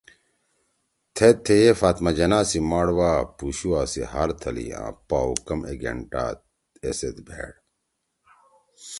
تھید تھیئے فاطمہ جناح سی ماڑ وا پُوشُوا سی ہار تھلئی آں پاؤ کم اے گینٹا ایسیت بھیڑ